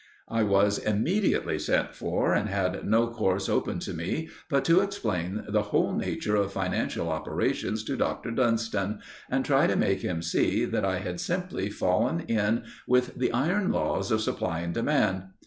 I was immediately sent for, and had no course open to me but to explain the whole nature of financial operations to Dr. Dunston, and try to make him see that I had simply fallen in with the iron laws of supply and demand.